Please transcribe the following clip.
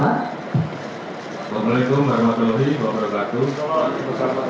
wassalamualaikum warahmatullahi wabarakatuh